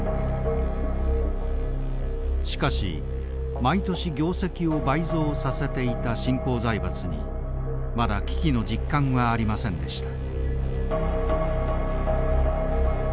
しかし毎年業績を倍増させていた新興財閥にまだ危機の実感はありませんでした。